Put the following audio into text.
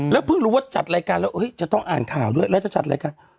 เพิ่งรู้ว่าจัดรายการแล้วจะต้องอ่านข่าวด้วยแล้วจะจัดรายการ